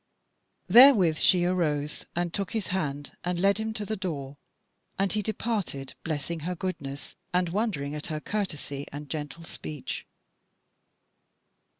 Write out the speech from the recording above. Therewith she arose and took his hand and led him to the door, and he departed, blessing her goodness, and wondering at her courtesy and gentle speech.